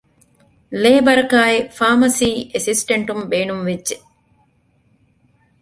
ލޭބަރަކާއި ފާމަސީ އެސިސްޓެންޓުން ބޭނުންވެއްޖެ